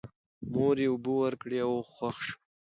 مور یې اوبه ورکړې او هوښ شو.